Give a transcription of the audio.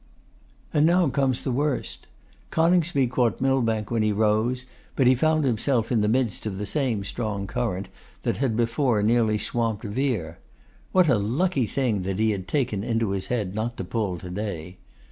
'And now comes the worst. Coningsby caught Millbank when he rose, but he found himself in the midst of the same strong current that had before nearly swamped Vere. What a lucky thing that he had taken into his head not to pull to day!